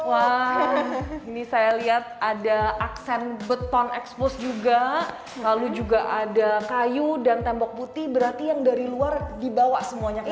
wah ini saya lihat ada aksen beton expose juga lalu juga ada kayu dan tembok putih berarti yang dari luar dibawa semuanya